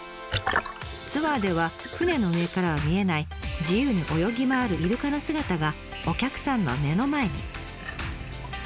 ツアーでは船の上からは見えない自由に泳ぎ回るイルカの姿がお客さんの目の前に。